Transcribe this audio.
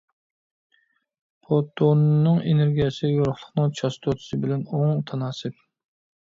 فوتوننىڭ ئېنېرگىيەسى يورۇقلۇقنىڭ چاستوتىسى بىلەن ئوڭ تاناسىپ.